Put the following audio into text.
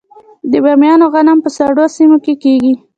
د بامیان غنم په سړو سیمو کې کیږي.